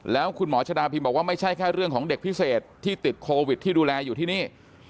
แล้วคุณหมอชดาพิมบอกว่าไม่ใช่แค่เรื่องของเด็กพิเศษที่ติดโควิดที่ดูแลอยู่ที่นี่